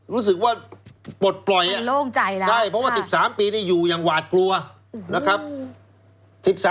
รู้สึกว่าปลดปล่อยโล่งใจแล้วใช่เพราะว่า๑๓ปีนี่อยู่อย่างหวาดกลัวนะครับ